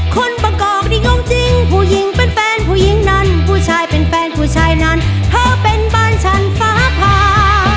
คนประกอบนี่งงจริงผู้หญิงเป็นแฟนผู้หญิงนั้นผู้ชายเป็นแฟนผู้ชายนั้นเธอเป็นบ้านฉันฟ้าผ่า